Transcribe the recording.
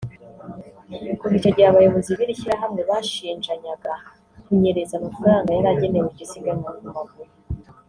Kuva icyo gihe abayobozi b’iri shyirahamwe bashinjanyaga kunyereza amafaranga yari agenewe iryo siganwa ku maguru